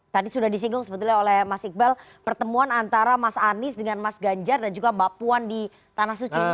tadi sudah disinggung sebetulnya oleh mas iqbal pertemuan antara mas anies dengan mas ganjar dan juga mbak puan di tanah suci